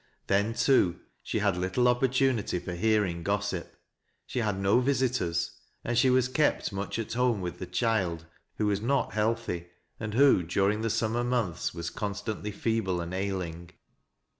Then, too, she had little oppor tunity for hearing gossip. She had no visitors, and she A as kept much at home with the child, who was not liealthy, and who, during the summer months, was con stantly feeble and ailiug.